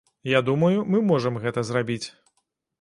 Я думаю, мы можам гэта зрабіць.